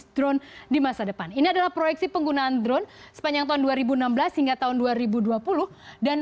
drone di masa depan ini adalah proyeksi penggunaan drone sepanjang tahun dua ribu enam belas hingga tahun dua ribu dua puluh dan